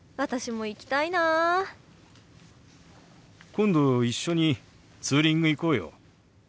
今度一緒にツーリング行こうよ。